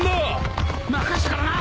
任せたからな！